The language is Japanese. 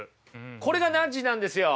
これがナッジなんですよ。